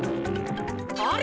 あれ？